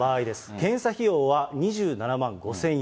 検査費用は２７万５０００円。